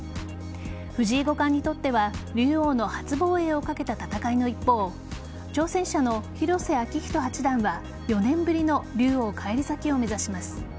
藤井五冠にとっては竜王の初防衛をかけた戦いの一方挑戦者の広瀬章人八段は４年ぶりの竜王返り咲きを目指します。